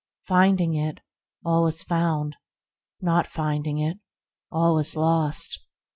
Finding it, all is found; not finding it, all is lost.